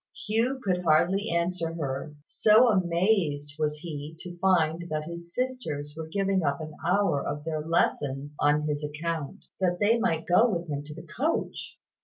Hugh could hardly answer her; so amazed was he to find that his sisters were giving up an hour of their lessons on his account, that they might go with him to the coach!